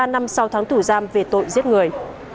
một mươi ba năm sau tháng thủ giam về tội giết người